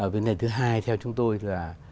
vấn đề thứ hai theo chúng tôi là